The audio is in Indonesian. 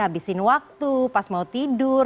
habisin waktu pas mau tidur